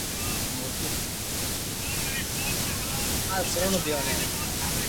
ھتي اوڻي زندگي مون جيتو دوک